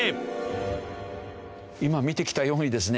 今見てきたようにですね